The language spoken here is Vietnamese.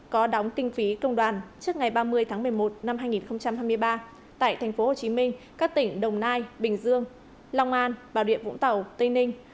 có đóng tinh phí công đoàn trước ngày ba mươi tháng một mươi một năm hai nghìn hai mươi ba tại thành phố hồ chí minh các tỉnh đồng nai bình dương long an bảo điện vũng tàu tây ninh